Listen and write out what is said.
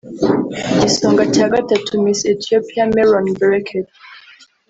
Igisonga cya Gatatu - Miss Ethiopia Meron Bereket